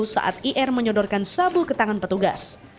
saat ir menyodorkan sabu ke tangan petugas